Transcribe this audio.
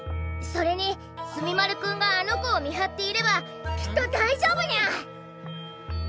それに墨丸君があの子を見張っていればきっとだいじょうぶニャ！